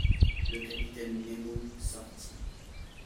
Le capitaine Nemo sortit.